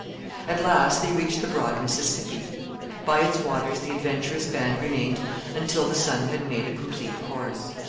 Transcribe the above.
At last they reached the broad Mississippi. By its waters the adventurous band remained until the sun had made a complete course.